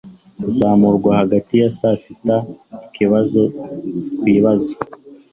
kuzamurwa hagati ya saa sita ikibazo twibaza